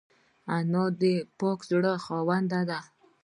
انا د پاک زړه خاونده ده